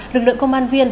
lực lượng công an viên